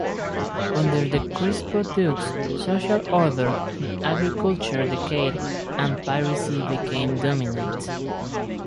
Under the Crispo dukes, social order and agriculture decayed, and piracy became dominant.